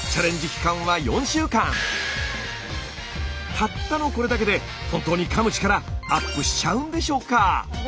たったのこれだけで本当にかむ力アップしちゃうんでしょうか。